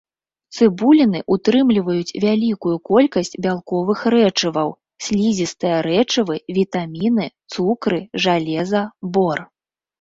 Цыбуліны ўтрымліваюць вялікую колькасць бялковых рэчываў, слізістыя рэчывы, вітаміны, цукры, жалеза, бор.